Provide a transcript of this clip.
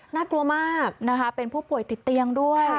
น่ากลัวมากนะคะเป็นผู้ป่วยติดเตียงด้วย